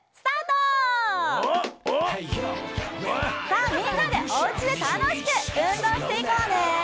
さあみんなでおうちでたのしくうんどうしていこうね！